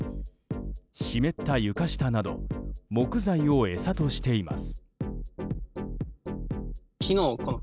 湿った床下など木材を餌としています。